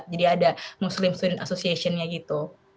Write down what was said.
jadi ada muslim student association nya gitu